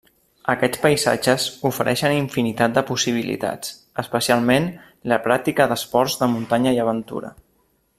Aquests paisatges ofereixen infinitat de possibilitats, especialment la pràctica d'esports de muntanya i aventura.